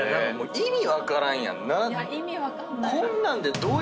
意味分からんやん。